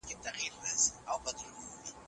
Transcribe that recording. د اوړي سپکې جامې غوره دي